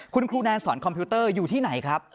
คุณครูแนนสอนคอมพิวเตอร์อยู่ที่ไหนครับ